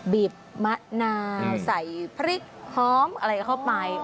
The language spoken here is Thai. บีบมะนาวใส่พริกหอมอะไรเข้าไป